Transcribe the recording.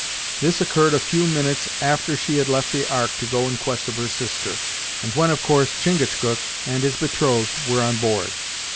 This occurred a few minutes after she had left the Ark to go in quest of her sister, and when of course Chingachgook and his betrothed were on board.